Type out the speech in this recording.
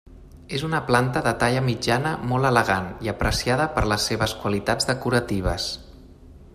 És una planta de talla mitjana molt elegant i apreciada per les seves qualitats decoratives.